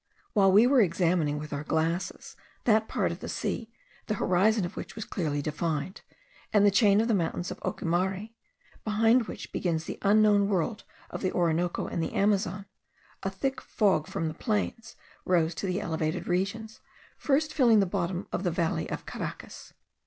While we were examining with our glasses that part of the sea, the horizon of which was clearly defined, and the chain of the mountains of Ocumare, behind which begins the unknown world of the Orinoco and the Amazon, a thick fog from the plains rose to the elevated regions, first filling the bottom of the valley of Caracas.